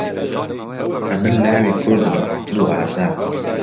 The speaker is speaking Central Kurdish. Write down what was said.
ئەمن لاوی کوردم، عاقڵ و ئازا.